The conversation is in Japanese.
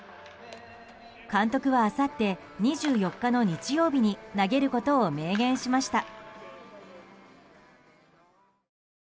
監督はあさって２４日の日曜日に投げることを明言しました。